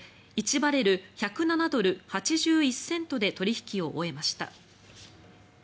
１バレル１０７ドル８１セントで取引を終えました。